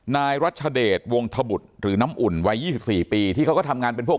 นายรัชเดชวงธบุตรหรือน้ำอุ่นวัย๒๔ปีที่เขาก็ทำงานเป็นพวก